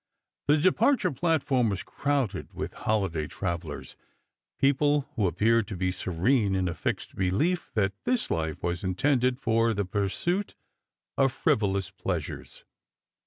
The departure platform was crowded with holiday travellers, people who appeai ed to be serene in a fixed belief that this life was intended for the pursuit of frivolous pleasures.